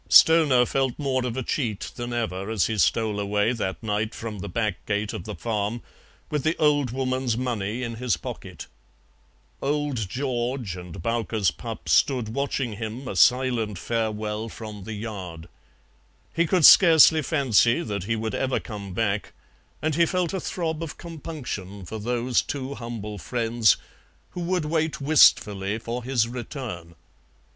Stoner felt more of a cheat than ever as he stole away that night from the back gate of the farm with the old woman's money in his pocket. Old George and Bowker's pup stood watching him a silent farewell from the yard. He could scarcely fancy that he would ever come back, and he felt a throb of compunction for those two humble friends who would wait wistfully for his return.